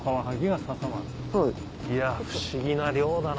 いや不思議な漁だな。